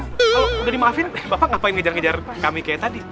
kalau udah dimaafin bapak ngapain ngejar ngejar kami kayak tadi